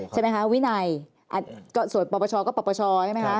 ใช่ไหมคะวินัยส่วนปปชก็ปปชใช่ไหมคะ